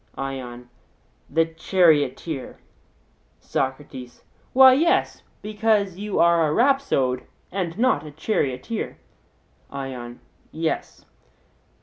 ION: The charioteer. SOCRATES: Why, yes, because you are a rhapsode and not a charioteer. ION: Yes.